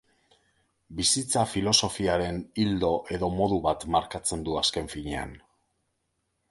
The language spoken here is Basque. Bizitza filosofiaren ildo edo modu bat markatzen du azken finean.